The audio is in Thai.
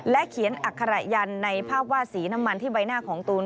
เขียนอัคระยันในภาพวาดสีน้ำมันที่ใบหน้าของตูน